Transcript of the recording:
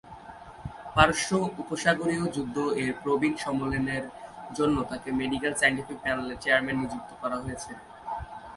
পারস্য উপসাগরীয় যুদ্ধ এর প্রবীণ সম্মেলনের জন্য তাঁকে মেডিকেল-সায়েন্টিফিক প্যানেলের চেয়ারম্যান নিযুক্ত করা হয়েছিল।